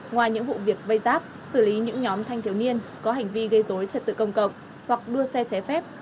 ngoài những vụ việc vây giáp xử lý những nhóm thanh thiếu niên có hành vi gây dối trật tự công cộng hoặc đua xe trái phép